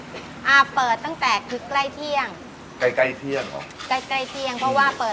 ความรู้ความสามารถในด้านการทำอาหารของอาม่าอาคมของเราเนี่ย